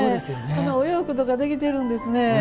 お洋服とかできてるんですね。